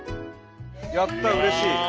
やったうれしい。